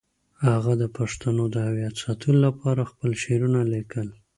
هغه د پښتنو د هویت ساتلو لپاره خپل شعرونه لیکل.